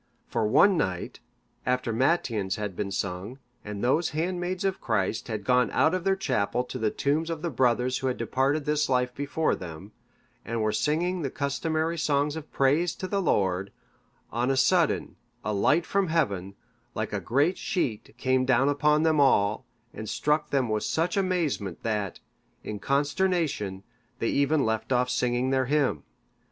For one night, after matins had been sung, and those handmaids of Christ had gone out of their chapel to the tombs of the brothers who had departed this life before them, and were singing the customary songs of praise to the Lord, on a sudden a light from heaven, like a great sheet, came down upon them all, and struck them with such amazement, that, in consternation, they even left off singing their hymn.